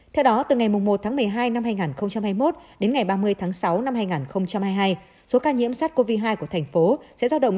theo đó từ ngày một một mươi hai hai nghìn hai mươi một đến ngày ba mươi sáu hai nghìn hai mươi hai số ca nhiễm sát covid một mươi chín của thành phố sẽ giao động